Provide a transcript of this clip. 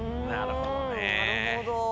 なるほど。